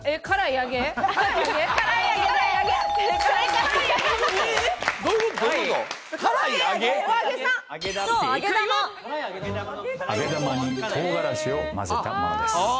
揚げ玉に唐辛子を混ぜたものです。